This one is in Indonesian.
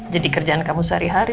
jadi kerjaan kamu sehari hari